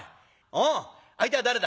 おお相手は誰だ？